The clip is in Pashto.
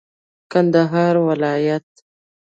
کندهار ولايت